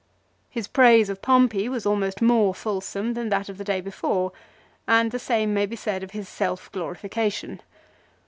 His praise of Pompey was almost more fulsome than that of the day before, and the same may be said of his self glorification.